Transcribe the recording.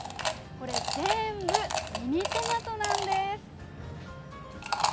これ全部、ミニトマトなんです。